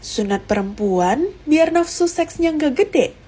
sunat perempuan biar nafsu seksnya nggak gede